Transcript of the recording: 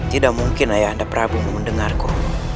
tidak mungkin ayah anda prabu mendengarku